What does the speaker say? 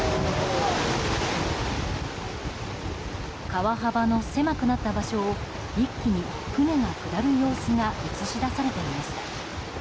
川幅の狭くなった場所を一気に船が下る様子が映し出されていました。